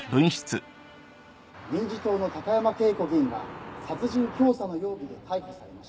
民自党の高山啓子議員が殺人教唆の容疑で逮捕されました。